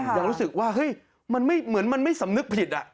ยังรู้สึกว่าเหมือนมันไม่สำนึกผิด